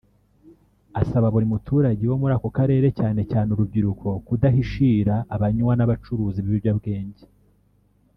Asaba buri muturage wo muri ako Karere cyane cyane urubyiruko kudahishira abanywa n’abacuruza ibiyobyabwenge